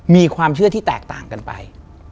มีความเชื่อที่แตกต่างกันไป